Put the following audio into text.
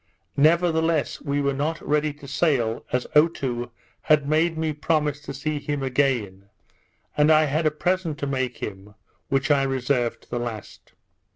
Nevertheless we were not ready to sail, as Otoo had made me promise to see him again; and I had a present to make him, which I reserved to the last.